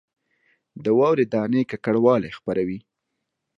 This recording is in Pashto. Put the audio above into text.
د واورې دانې ککړوالی خپروي